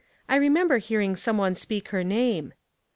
" I remember hearing some one speak her name."